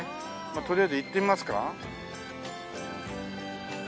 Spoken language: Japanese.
まあとりあえず行ってみますか。